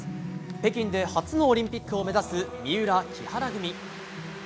北京で初のオリンピックを目指す三浦・木原組。